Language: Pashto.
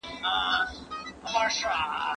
ما خپل تمرکز پر خپلو زده کړو کړی دی.